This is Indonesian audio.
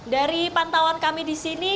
dari pantauan kami disini